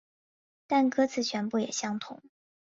但歌词全部也相同。